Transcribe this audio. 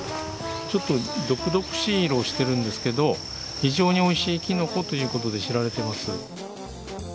ちょっと毒々しい色をしてるんですけど非常においしいきのこということで知られてます。